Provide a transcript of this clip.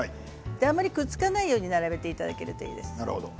あまりくっつかないように並べていただければと思います。